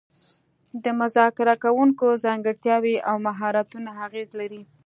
د مذاکره کوونکو ځانګړتیاوې او مهارتونه اغیز لري